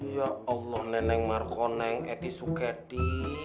ya allah neneng marconeng eti suketi